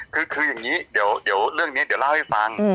คืออย่างนี้เดี๋ยวเรื่องนี้เดี๋ยวเล่าให้ฟัง